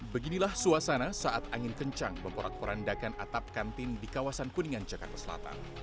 beginilah suasana saat angin kencang memporak porandakan atap kantin di kawasan kuningan jakarta selatan